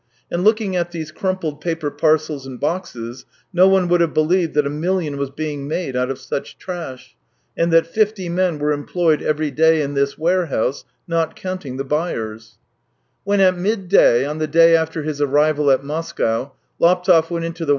And looking at these crumpled paper parcelsjand boxes, no one would have believed that a million was being made out of such trash, and that fifty men were employed every day in this warehouse, not counting the buyers. THREE YEARS 217 When at midday, on the day after his arrival at Moscow, Laptev went into the